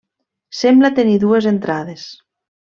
Sembla tenir dues entrades.